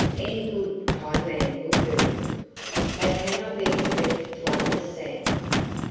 Any 'good, kind man' will do. They cannot be expected to understand."